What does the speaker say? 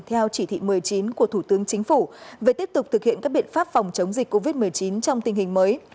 theo chỉ thị một mươi chín của thủ tướng chính phủ về tiếp tục thực hiện các biện pháp phòng chống dịch covid một mươi chín trong tình hình mới